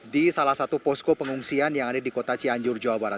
di salah satu posko pengungsian yang ada di kota cianjur jawa barat